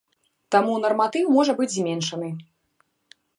Таму нарматыў можа быць зменшаны.